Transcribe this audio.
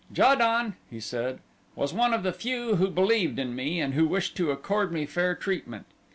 "Ja don," he said, "was one of the few who believed in me and who wished to accord me fair treatment.